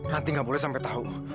ranti gak boleh sampe tau